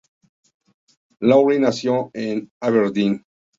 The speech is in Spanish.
Lawrie nació en Aberdeen.